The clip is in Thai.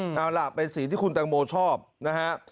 เอาล่ะเป็นสีที่คุณตังโมชอบนะฮะ